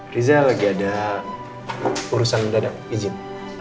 riza lagi ada urusan dadah ijin